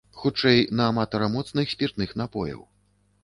Хутчэй, на аматара моцных спіртных напояў.